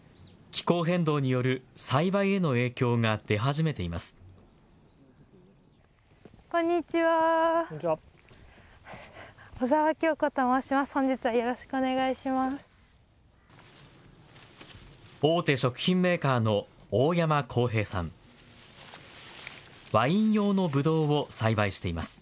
気候変動による栽培への影響が出始めています。